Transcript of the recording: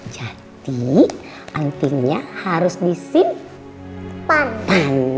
jadi antingnya harus disin pan